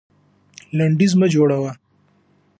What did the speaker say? لنډيز مه جوړوه.